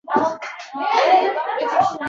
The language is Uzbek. Ammo bunaqa tipdagi odamlar hayotda bor